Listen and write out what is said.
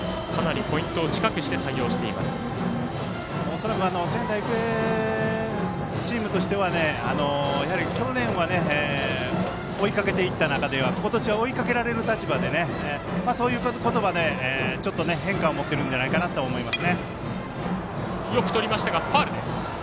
恐らく、仙台育英チームとしては去年は追いかけていった中で今年は追いかけられる立場でそういう言葉で変化を持っているんじゃないかと思います。